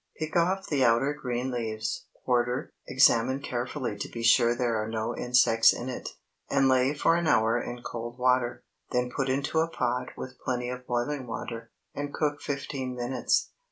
Pick off the outer green leaves, quarter, examine carefully to be sure there are no insects in it, and lay for an hour in cold water. Then put into a pot with plenty of boiling water, and cook fifteen minutes.